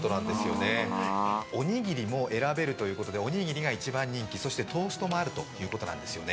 おにぎりも選べるということでおにぎりが一番人気、そしてトーストもあるということなんですね。